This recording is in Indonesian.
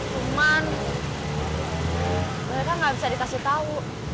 cuman mereka gak bisa dikasih tau